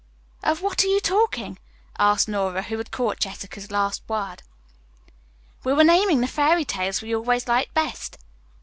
"Of what are you talking?" asked Nora, who had caught Jessica's last word. "We were naming the fairy tales we always liked best."